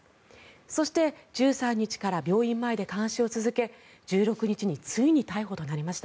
そして１３日から病院前で監視を続け１６日についに逮捕となりました。